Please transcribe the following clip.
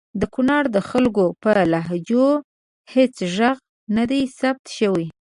د کنړ د خلګو په لهجو هیڅ ږغ ندی ثبت سوی!